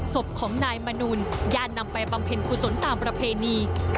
ศพของนายมนุนย่านำไปบำเพ็ญผู้สนตามระเพณี